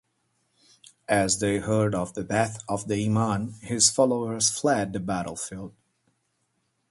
As they heard of the death of the Imam, his followers fled the battlefield.